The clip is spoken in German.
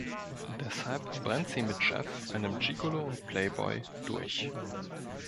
Deshalb brennt sie mit Jeff, einem Gigolo und Playboy durch.